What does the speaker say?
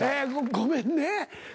ごめんね。